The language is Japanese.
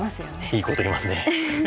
いいこと言いますね。